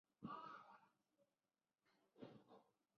玩家可以驾驶货车运送货物穿梭欧洲大陆。